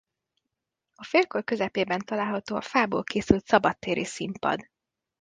A félkör közepében található a fából készült szabadtéri színpad.